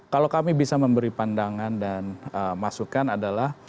kalau kami bisa memberi pandangan dan masukan adalah